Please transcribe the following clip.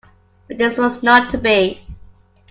But this was not to be.